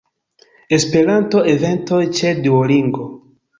Esperanto-eventoj ĉe Duolingo.